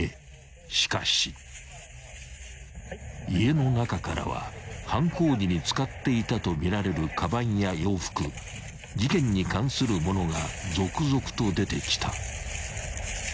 ［しかし］［家の中からは犯行時に使っていたとみられるかばんや洋服事件に関するものが続々と出てきた］